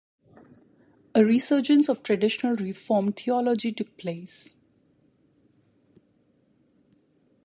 A resurgence of traditional Reformed theology took place.